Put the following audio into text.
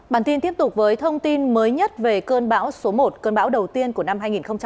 bản tin tiếp tục với thông tin mới nhất về cơn bão số một cơn bão đầu tiên của năm hai nghìn hai mươi